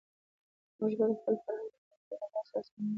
موږ باید خپل فرهنګ د وخت له تقاضاوو سره سم نوی او روښانه وساتو.